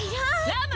ラム！